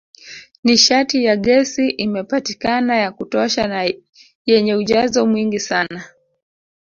Nishati ya gesi imepatikana ya kutosha na yenye ujazo mwingi sana